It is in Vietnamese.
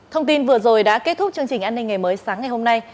thông tin vừa rồi đã kết thúc chương trình an ninh ngày mới sáng ngày hôm nay